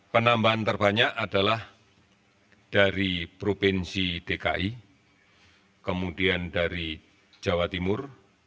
penambahan terbanyak adalah dari provinsi dki kemudian dari jawa timur